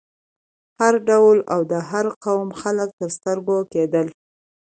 هر ډول او د هر قوم خلک تر سترګو کېدل.